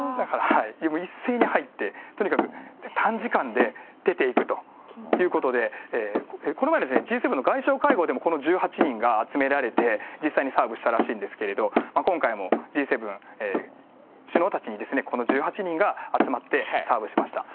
一斉に入って、とにかく短時間で出ていくということで、この前、Ｇ７の外相会合でも、この１８人が集められて、実際にサーブしたらしいんですけれども、今回もＧ７首脳たちに、この１８人が集まってサーブしました。